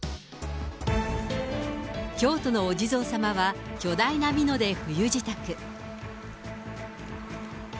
京都のお地蔵様は巨大なみので冬支度。